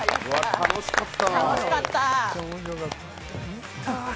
楽しかった。